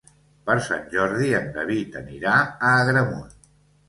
Per Sant Jordi en David anirà a Agramunt.